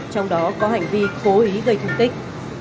trong đó có hành vi cố ý gây thương tích